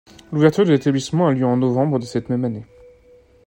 L’ouverture de l’établissement a lieu en novembre de cette même année.